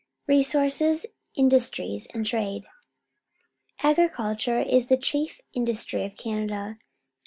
Resources, Industries, and Trade. — Agriculture i s the^ chief industry of Canada.